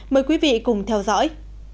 mời quý vị cùng theo dõi